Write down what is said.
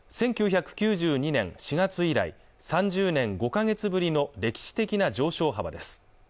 １９９２年４月以来３０年５か月ぶりの歴史的な上昇幅です